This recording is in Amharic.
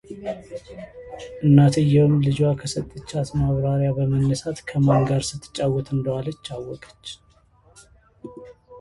እናትየውም ልጇ ከሰጠቻት ማብራሪያ በመነሣት ከማን ጋር ስትጫወት እንደዋለች አወቀች፡፡